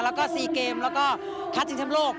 และสีเกมแล้วก็ชุดชิงแชมป์โลก